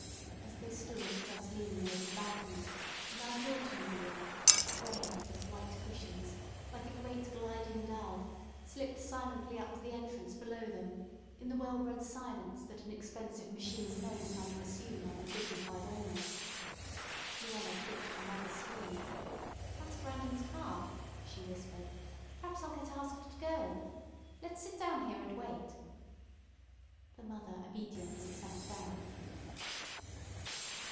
As they stood thus leaning over the balcony, a large automobile, gray, with white cushions, like a great gliding dove, slipped silently up to the entrance below them in the well bred silence that an expensive machine knows how to assume under dignified owners. Luella twitched her mother's sleeve. "That's Grandon's car," she whispered. "P'raps I'll get asked to go. Let's sit down here and wait." The mother obediently sat down.